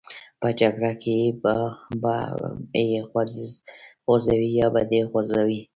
په جګړه کې یا به یې غورځوې یا به دې غورځوي